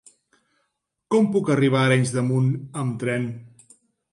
Com puc arribar a Arenys de Munt amb tren?